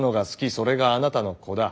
それがあなたの子だ。